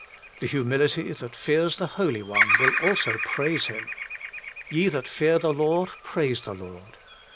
The humility that fears the Holy One will also praise Him :' Ye that fear the Lord : praise the Lord.'